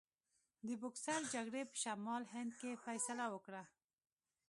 د بوکسر جګړې په شمالي هند کې فیصله وکړه.